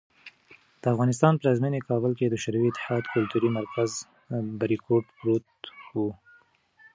د افغانستان پلازمېنه کابل کې د شوروي اتحاد کلتوري مرکز "بریکوټ" پروت و.